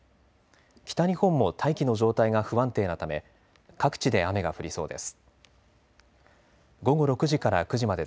北日本も大気の状態が不安定なため各地で雨が降りそうです。